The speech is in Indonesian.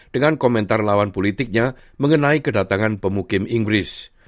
dengan komentar lawan politiknya mengenai kedatangan pemukim inggris